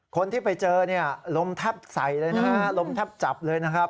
คนที่ไปเจอลมทับใสเลยนะคะลมทับจับเลยนะครับ